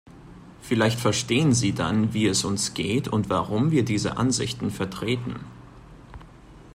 Vielleicht verstehen Sie dann, wie es uns geht und warum wir diese Ansichten vertreten.